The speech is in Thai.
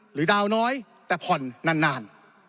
ดาวน้อยแต่ผ่อนนาน